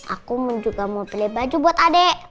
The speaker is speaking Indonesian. aku juga mau pilih baju buat adek